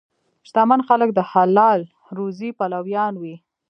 شتمن خلک د حلال روزي پلویان وي.